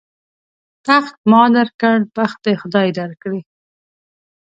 تخت ما در کړ، بخت دې خدای در کړي.